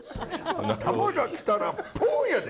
球が来たらぽーっやで。